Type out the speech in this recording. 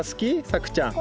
さくちゃんん？